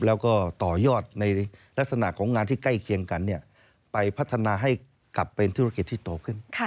แล้วก็ต่อยอดในลักษณะของงานที่ใกล้เคียงกันไปพัฒนาให้กลับเป็นธุรกิจที่โตขึ้น